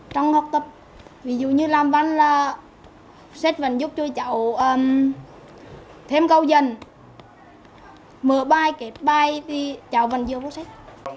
trong học tập ví dụ như làm văn là sách vẫn giúp cho cháu thêm câu dần mở bài kết bài thì cháu vẫn giữ vô sách